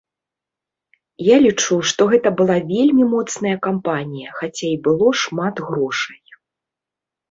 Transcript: Я лічу, што гэта была вельмі моцная кампанія, хаця і было шмат грошай.